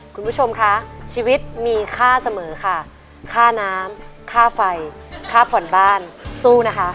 คุณผู้ชมคะชีวิตมีค่าเสมอค่ะค่าน้ำค่าไฟค่าผ่อนบ้านสู้นะคะ